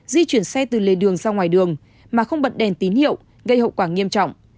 di chuyển xe từ lề đường ra ngoài đường mà không bật đèn tín hiệu gây hậu quả nghiêm trọng